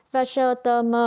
và sở tơ m